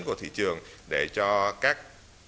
của thị trường để cho các